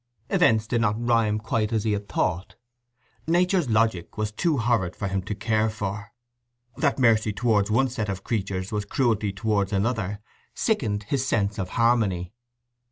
Events did not rhyme quite as he had thought. Nature's logic was too horrid for him to care for. That mercy towards one set of creatures was cruelty towards another sickened his sense of harmony.